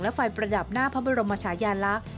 และไฟประดับหน้าพระบรมชายาลักษณ์